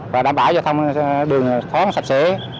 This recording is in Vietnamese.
và đảm bảo cho thông đường thoáng sạch sẽ